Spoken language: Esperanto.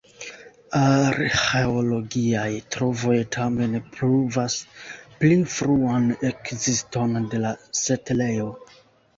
Arĥeologiaj trovoj tamen pruvas pli fruan ekziston de la setlejo.